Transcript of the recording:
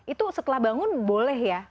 itu setelah bangun boleh ya